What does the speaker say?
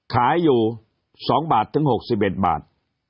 ขายอยู่๒บาทถึง๖๑บาท